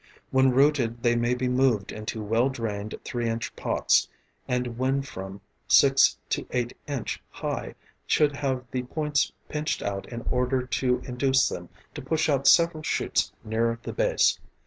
When rooted they may be moved into well drained 3 in. pots, and when from 6 to 8 in. high, should have the points pinched out in order to induce them to push out several shoots nearer the base.